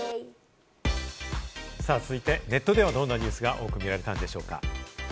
続いて、ネットではどんなニュースが多く見られたのでしょうか。